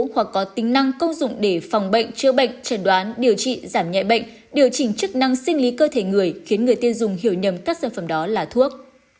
hoặc có tính năng công dụng để phòng bệnh chữa bệnh trần đoán điều trị giảm nhẹ bệnh điều chỉnh chức năng sinh lý cơ thể người khiến người tiêu dùng hiểu nhầm các sản phẩm đó là thuốc